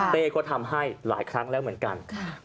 ก็ทำให้หลายครั้งแล้วเหมือนกัน